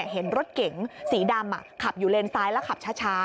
เห็นรถเก๋งสีดำขับอยู่เลนซ้ายแล้วขับช้า